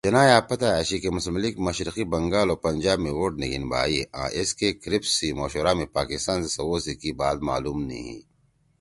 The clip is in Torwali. جناح ئے أ پتا أشی کہ مسلم لیگ مشرقی بنگال او پنجاب می ووٹ نی گھیِن بھائی آں ایسکے کرپس سی مشورہ می پاکستان سی سوَؤ سی کی بات معلوم نی ہی